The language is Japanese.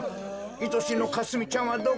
いとしのかすみちゃんはどこじゃ？